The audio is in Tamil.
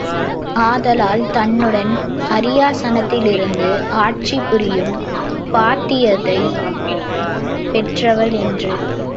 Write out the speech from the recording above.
ஆதலால் தன்னுடன் அரியாசனத்திலிருந்து ஆட்சி புரியும் பாத்தியதை பெற்றவள் என்று.